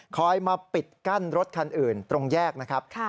คอยมาปิดกั้นรถคันอื่นตรงแยกนะครับ